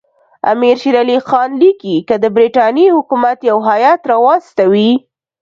امیر شېر علي خان لیکي که د برټانیې حکومت یو هیات راواستوي.